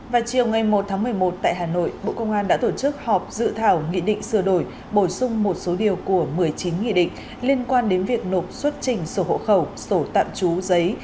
vào chiều ngày một tháng một mươi một tại hà nội bộ công an đã tổ chức họp dự thảo nghị định sửa đổi bổ sung một số điều của một mươi chín nghị định liên quan đến việc nộp xuất trình sổ hộ khẩu sổ tạm trú giấy